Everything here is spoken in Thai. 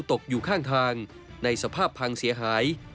ตกอยู่ข้างทางในสภาพพังเสียหาย